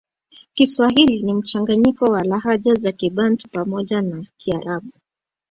Kiswahili ni mchanganyiko wa lahaja za kibantu pamoja na kiarabu